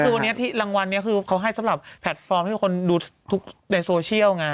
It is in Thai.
คือวันนี้ที่รางวัลนี้คือเขาให้สำหรับแพลตฟอร์มที่คนดูทุกในโซเชียลไง